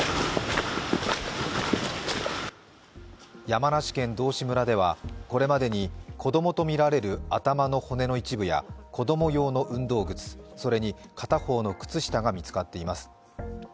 山梨県道志村ではこれまでに子供と見られる頭の骨の一部や子供用の運動靴それに片方の靴下が見つかっています。